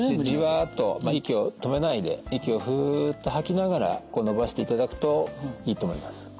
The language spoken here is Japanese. じわっと息を止めないで息をふっと吐きながら伸ばしていただくといいと思います。